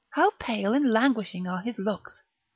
how pale and languishing are his looks!